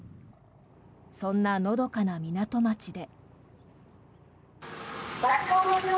そんな、のどかな港町で。